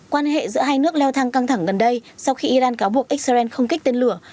quan hệ giữa hai nước leo thang căng thẳng gần đây sau khi iran cáo buộc israel không kích tên lửa